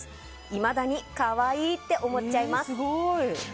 いまだに可愛いって思っちゃいます。